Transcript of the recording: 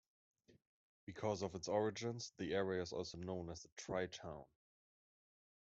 Because of its origins, the area is also known as the Tri-Town.